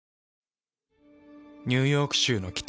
ニューヨーク州の北。